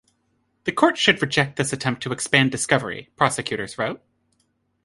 "The court should reject this attempt to expand discovery," prosecutors wrote.